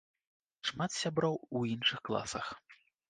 І шмат сяброў у іншых класах.